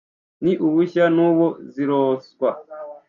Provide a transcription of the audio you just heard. n’i bushya-ntobo ziroswa